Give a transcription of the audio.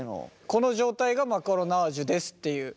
この状態がマカロナージュですっていう。